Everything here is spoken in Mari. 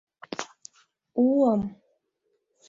Уым!